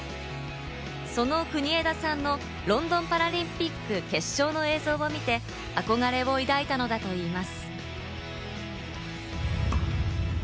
その国枝さんのロンドンパラリンピック決勝の映像を見て、憧れを抱いたのだといいます。